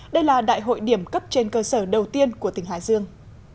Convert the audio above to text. đây là đại hội điểm cấp trên cơ sở đầu tiên của tỉnh hải dương